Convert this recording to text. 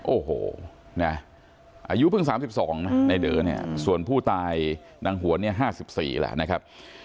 โอ้โหนี่อายุเพิ่ง๓๒ไอเดิร์ส่วนผู้ตายนางหวนนี่๕๔แหละนะครับ